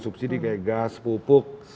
subsidi kayak gas pupuk